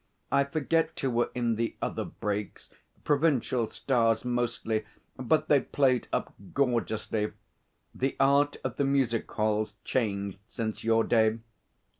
I forget who were in the other brakes provincial stars mostly but they played up gorgeously. The art of the music hall's changed since your day.